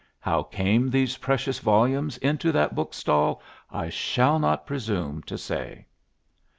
How came these precious volumes into that book stall I shall not presume to say.